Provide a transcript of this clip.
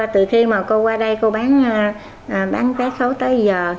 từ khi mà cô qua đây cô bán vé khấu tới giờ